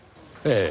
ええ。